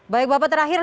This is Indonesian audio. baik bapak terakhir